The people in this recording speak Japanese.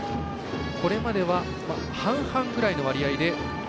これまでは半々ぐらいの割合で。